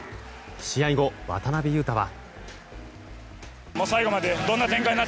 試合後、渡邊雄太は。